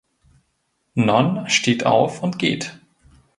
Non steht auf und geht.